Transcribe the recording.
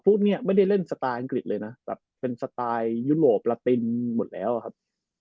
เนี่ยไม่ได้เล่นสไตลอังกฤษเลยนะแบบเป็นสไตล์ยุโรปละตินหมดแล้วอะครับ